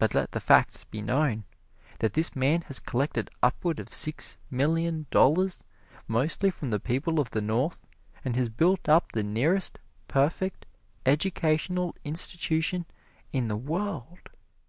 But let the facts be known, that this man has collected upward of six million dollars, mostly from the people of the North, and has built up the nearest perfect educational institution in the world.